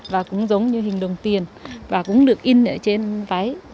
và cũng giống như hình đồng tiền và cũng được in ở trên váy